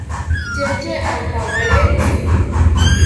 Yeye antawerentzi